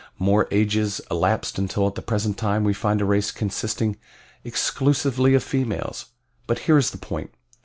More ages elapsed until at the present time we find a race consisting exclusively of females. But here is the point.